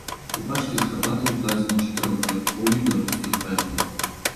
У пачкі з гарбатай укладзены чатырохрадкоўі беларускіх паэтаў.